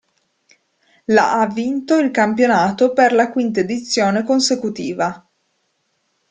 La ha vinto il campionato per la quinta edizione consecutiva.